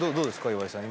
岩井さん。